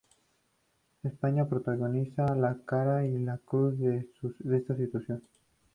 España protagoniza la cara y la cruz de esta situación.